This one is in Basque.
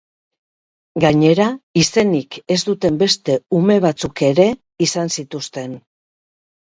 Gainera, izenik ez duten beste ume batzuk ere izan zituzten.